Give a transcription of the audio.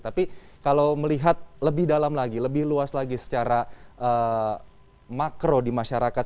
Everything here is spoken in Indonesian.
tapi kalau melihat lebih dalam lagi lebih luas lagi secara makro di masyarakat